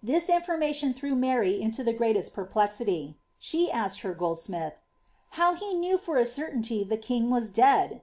This information threw 0 the greatest perplexity. Slie asked her goldsmith, ^ How he * a certainty the king was dead